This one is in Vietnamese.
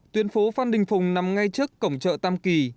tuyến phố phan đình phùng nằm ngay trước cổng chợ tam kỳ